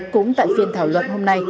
cũng tại phiên thảo luận hôm nay